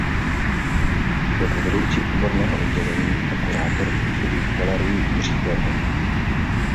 Jako vedoucí odborného oddělení a kurátor působí v galerii Jiří Gordon.